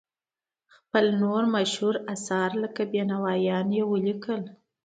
خپل نور مشهور اثار لکه بینوایان یې ولیکل.